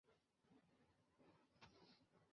往返于希洪和阿维莱斯的线路还会在和停靠。